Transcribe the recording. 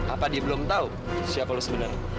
apa dia belum tau siapa lu sebenarnya